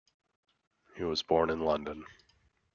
He was born in London.